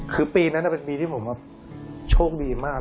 คือปีนั้นเป็นปีที่ผมโชคดีมาก